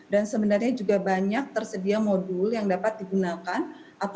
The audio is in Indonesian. dan sebenarnya juga banyak tersedia modul yang dapat digunakan atau dipelajari mandiri